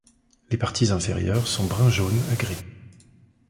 Les parties inférieures sont brun-jaune à gris.